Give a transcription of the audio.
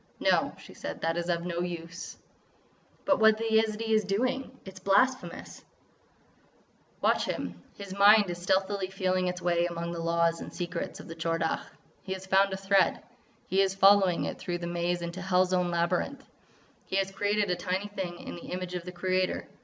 "No," she said, "that is of no use." "But what that Yezidee is doing is—is blasphemous——" "Watch him! His mind is stealthily feeling its way among the laws and secrets of the Tchor Dagh. He has found a thread. He is following it through the maze into hell's own labyrinth! He has created a tiny thing in the image of the Creator.